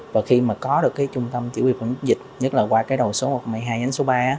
và khi mà có được cái trung tâm chỉ huy phòng dịch nhất là qua cái đầu số một mươi hai đến số ba